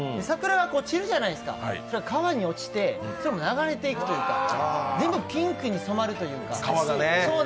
桜が散るじゃないですか、川に落ちて、それも流れていくというか、全部ピンクに染まるというか。